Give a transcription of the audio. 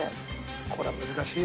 これは難しいよ。